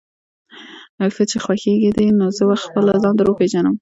ښه چې خوښېږي دې، نو زه به خپله ځان در وپېژنم.